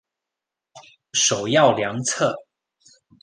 首要良策